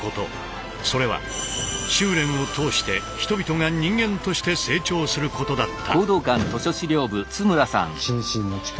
それは修練を通して人々が人間として成長することだった。